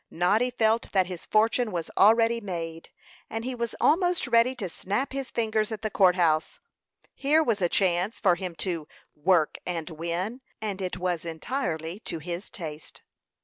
Noddy felt that his fortune was already made, and he was almost ready to snap his fingers at the court house. Here was a chance for him to "work and win," and it was entirely to his taste.